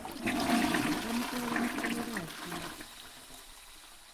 Bamutwala mu kkomera ki?